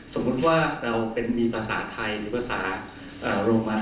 สมมุติว่าเราเป็นมีภาษาไทยหรือภาษาโรมัน